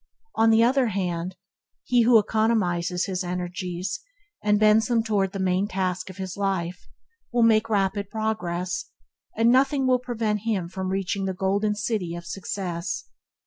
On the other hand, he who economizes his energies, and bends them towards the main task of his life, will make rapid progress, and nothing will prevent him from reaching the golden city of success.